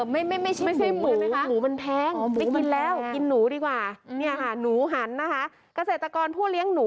ไม่ใช่หมูหมูมันแท้ง